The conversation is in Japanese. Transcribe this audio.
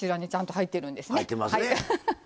入ってますね。